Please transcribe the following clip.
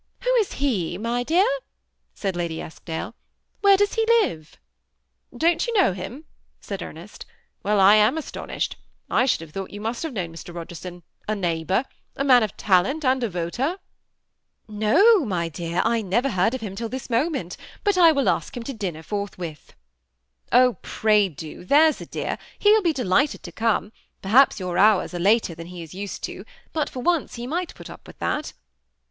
o is he, my dear ?" said Lady Eskdale. " Where live ?" I't yon know hun ?" said Ernest. " Well, I am led. I should have thought you must have Mr. Bogerson, a neighbor; a man of talent, roter." THE SEMI ATTAGHBD COUPLE. 259 M N09 mj dear, I never heard of him till this mo ment; but I will ask him to dinner forthwith." ^ Oh I pray do, there's a dear ; he will be delighted to come : perhaps jour hours are later than he is used to ; but for once he might put up with that."